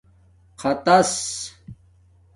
خطَس